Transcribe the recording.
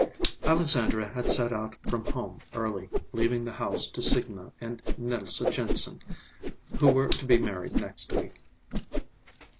Alexandra had set out from home early, leaving the house to Signa and Nelse Jensen, who were to be married next week.